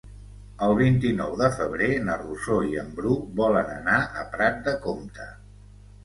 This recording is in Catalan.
El vint-i-nou de febrer na Rosó i en Bru volen anar a Prat de Comte.